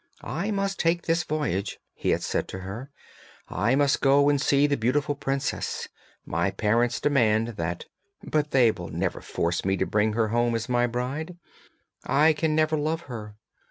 'I must take this voyage,' he had said to her; 'I must go and see the beautiful princess; my parents demand that, but they will never force me to bring her home as my bride; I can never love her!